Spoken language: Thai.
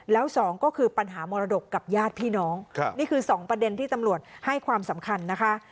แล้วสองก็คือปัญหามรดกกับญาติพี่น้องนี่คือสองประเด็นที่ตำรวจให้ความสำคัญนะคะ